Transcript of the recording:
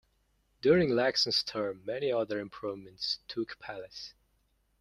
During Lacson's term many other improvements took place.